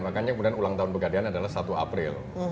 makanya kemudian ulang tahun pegadaian adalah satu april